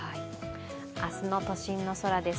明日の都心の空です。